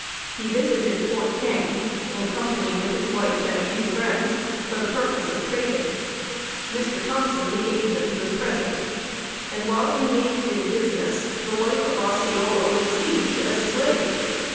He visited Fort King, in company with his wife and a few friends, for the purpose of trading. Mr. Thompson, the Agent, was present, and, while engaged in business, the wife of Osceola was seized as a slave.